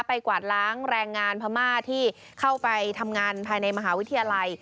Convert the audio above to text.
กวาดล้างแรงงานพม่าที่เข้าไปทำงานภายในมหาวิทยาลัย